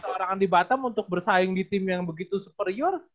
larangan di batam untuk bersaing di tim yang begitu superior